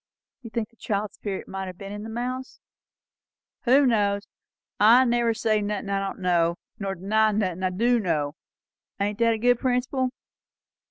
"You think the child's spirit might have been in the mouse?" "Who knows? I never say nothin' I don't know, nor deny nothin' I du know; ain't that a good principle?"